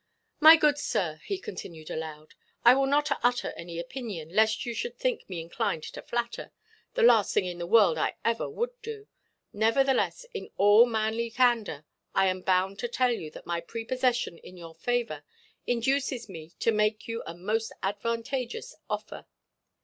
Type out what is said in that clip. My good sir," he continued, aloud, "I will not utter any opinion, lest you should think me inclined to flatter—the last thing in the world I ever would do. Nevertheless, in all manly candour, I am bound to tell you that my prepossession in your favour induces me to make you a most advantageous offer."